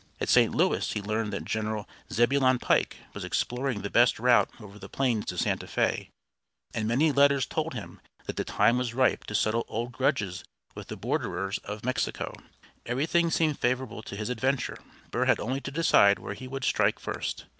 At St. Louis he learned that General Zebulon Pike was exploring the best route over the plains to Santa Fé, and many letters told him that the time was ripe to settle old grudges with the borderers of Mexico. Everything seemed favorable to his adventure. Burr had only to decide where he would strike first.